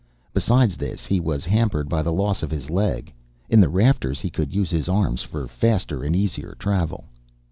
Besides this, he was hampered by the loss of his leg. In the rafters he could use his arms for faster and easier travel.